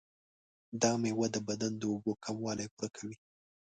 دا میوه د بدن د اوبو کموالی پوره کوي.